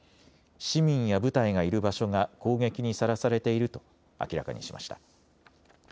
市民や部隊がいる場所が攻撃にさらされていると明らかにしました。